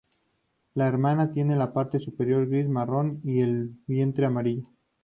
La hembra tiene la parte superior gris-marrón y el vientre amarillento.